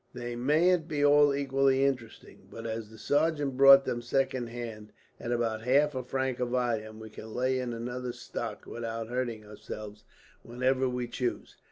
They mayn't be all equally interesting; but as the sergeant bought them second hand, at about half a franc a volume, we can lay in another stock without hurting ourselves, whenever we choose."